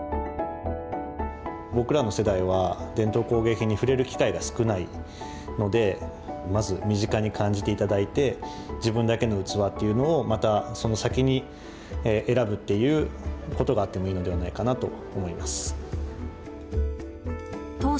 僕らの世代は伝統工芸品に触れる機会が少ないのでまず身近に感じて頂いて自分だけの器というのをまたその先に選ぶっていうことがあってもいいのではないかなと思います。